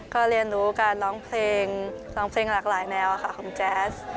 ก็เรียนรู้การร้องเพลงร้องเพลงหลากหลายแนวค่ะของแจ๊ส